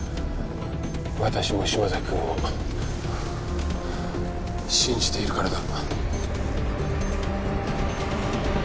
私も島崎くんを信じているからだ。